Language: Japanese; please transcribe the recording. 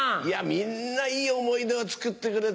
みんないい思い出をつくってくれた。